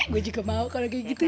gue juga mau kalau kayak gitu